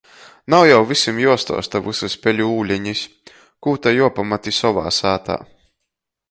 Nav jau vysim juostuosta vysys peļu ūlenis. Kū ta juopamat i sovā sātā.